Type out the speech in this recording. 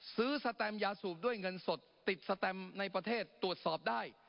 สแตมยาสูบด้วยเงินสดติดสแตมในประเทศตรวจสอบได้